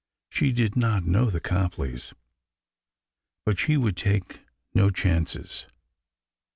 She did not know the Copleys, but she would take no chances.